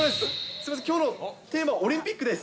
すみません、きょうのテーマ、オリンピックです。